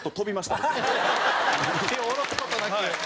手を下ろす事なく。